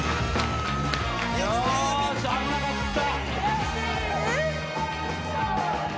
危なかった。